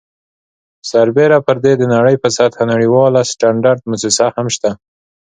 سربیره پر دې د نړۍ په سطحه نړیواله سټنډرډ مؤسسه هم شته.